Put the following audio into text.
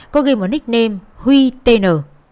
có ghi một nickname huy tn